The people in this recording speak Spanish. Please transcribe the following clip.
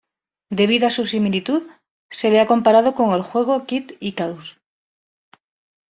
Debido a su similitud, se le ha comparado con el juego Kid Icarus.